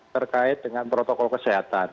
terkait dengan protokol kesehatan